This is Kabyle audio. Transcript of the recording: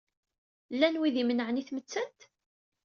Llan wid imenɛen i tmettant?